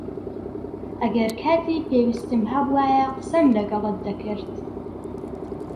ئەگەر کاتی پێویستم هەبووایە، قسەم لەگەڵت دەکرد.